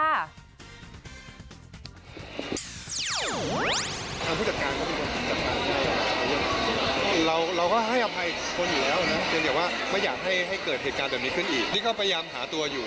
ทางผู้จัดการเขาบอกว่าผู้จัดการไม่อยากหาตัวอยู่